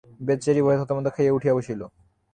বেচারি ভয়ে থতমত খাইয়া উঠিয়া বসিল।